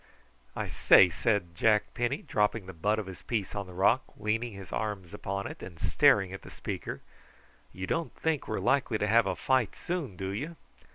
"I say," said Jack Penny, dropping the butt of his piece on the rock, leaning his arms upon it, and staring at the speaker. "You don't think we are likely to have a fight soon, do you?"